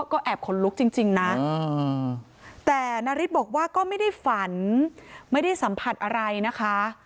ก็แอบขนลุกจริงนะแต่นาริสบอกว่าก็ไม่ได้ฝันไม่ได้สัมผัสอะไรนะคะ